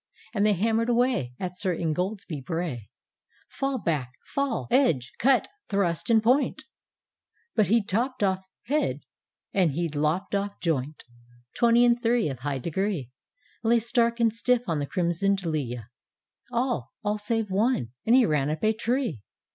And they hammer'd away At Sir Ingoldsby Bray, Fall back, fall edge, cut, thrust, and point, — But he topp'd off head, and he lopp'd off joint; Twenty and three. Of high degree, Lay stark and stilf on the crimson'd lea. All — all save one — and he ran up a tree!